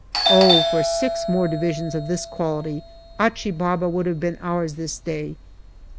Oh ! for six more Divisions of this quality : Achi Baba would have been ours this day.